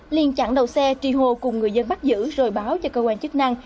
liên chặn đầu xe tri hô cùng người dân bắt giữ rồi báo cho cơ quan chức năng